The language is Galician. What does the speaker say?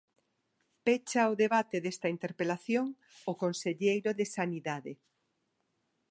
Pecha o debate desta interpelación o conselleiro de Sanidade.